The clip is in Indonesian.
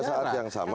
pada saat yang sama